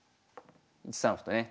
１三歩とね。